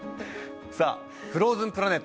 さあ「フローズンプラネット」。